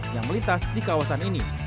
yang melintas di kawasan ini